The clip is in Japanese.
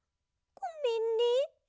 ごめんね。